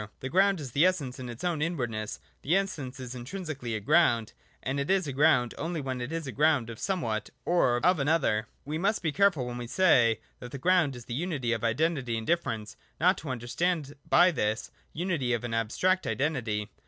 The Ground is the essence in its own inwardness ; the essence is intrinsically a ground ; and it is a ground only when it is a ground of somewhat, of an other. 121.] GROUND AND CONSEQUENCE. 225 We must be careful, when we say that the ground is the unity of identity and difference, not to understand by this unity an abstract identity.